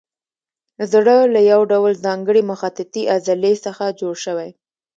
زړه له یو ډول ځانګړې مخططې عضلې څخه جوړ شوی.